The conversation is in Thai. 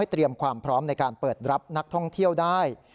เตรียมความพร้อมในการเปิดรับนักท่องเที่ยวได้